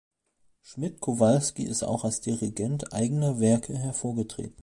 Schmidt-Kowalski ist auch als Dirigent eigener Werke hervorgetreten.